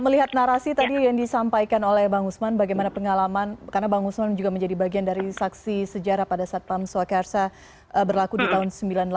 melihat narasi tadi yang disampaikan oleh mbak usman bagaimana pengalaman karena mbak usman juga menjadi bagian dari saksi sejarah pada saat pamsuakarsa berlaku di tahun sembilan puluh delapan sembilan puluh sembilan